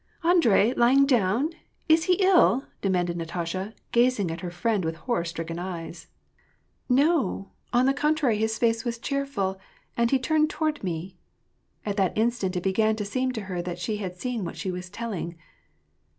" Andiei lying down ? Is he ill ?" demanded Natasha, gaat ing at her friend with horror stricken eyes. WAR AND PEACE. 303 '^ Ko, on the contrary his face was cheerful, and he turned toward me "— At that instant it began to seem to her that she had seen what she was telling.